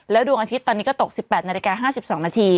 ดวงอาทิตย์ตอนนี้ก็ตก๑๘นาฬิกา๕๒นาที